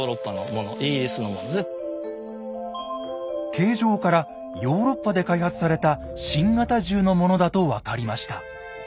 形状からヨーロッパで開発された新型銃のものだと分かりました。